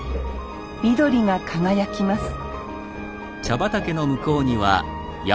緑が輝きます